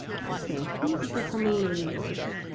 "I say, who is the coming lady, George?"